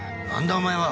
お前は。